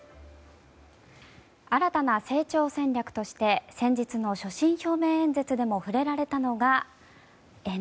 新たな成長戦略として先日の所信表明演説でも触れられたのが、ＮＦＴ。